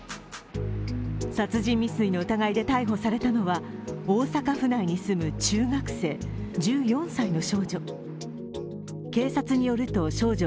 殺人未遂の疑いで逮捕されたのは大阪府内に住む中学生１４歳の少女。